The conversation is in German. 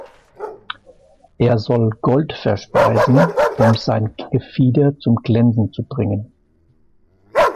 Er soll Gold verspeisen, um sein Gefieder zum Glänzen zu bringen.